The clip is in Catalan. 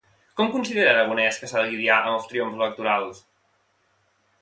Com considera Aragonès que s'ha de lidiar amb els triomfs electorals?